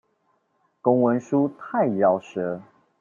公文書太饒舌